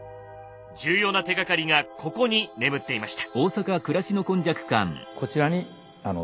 重要な手がかりがここに眠っていました。